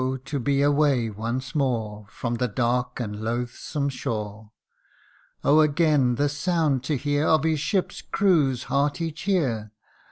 to be away once more From the dark and loathsome shore ! Oh ! again the sound to hear Of his ship's crew's hearty cheer